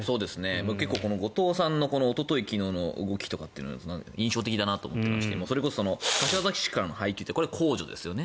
結構、後藤さんのおととい、昨日の動きというのは印象的だなと思っていまして柏崎市からの配給ってこれは公助ですよね。